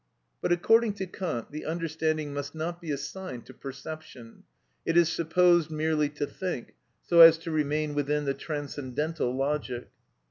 But according to Kant, the understanding must not be assigned to perception; it is supposed merely to think, so as to remain within the transcendental logic.